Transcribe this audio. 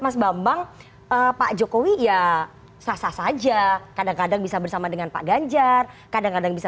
mas bambang pak jokowi ya sah sah saja kadang kadang bisa bersama dengan pak ganjar kadang kadang bisa